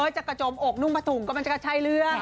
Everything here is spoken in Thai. จะตะจมอกนุ่งปะถุก็ใช่เรื่อง